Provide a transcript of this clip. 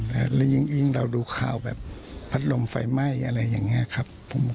แล้วยิ่งเราดูข่าวแบบพัดลมไฟไหม้อะไรอย่างนี้ครับ